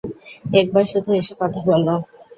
একবার শুধু এসে কথা বলো!